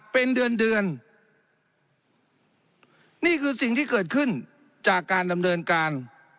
เป็นเดือนเดือนนี่คือสิ่งที่เกิดขึ้นจากการดำเนินการ